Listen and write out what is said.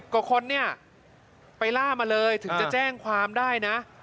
กว่าคนเนี่ยไปล่ามาเลยถึงจะแจ้งความได้นะ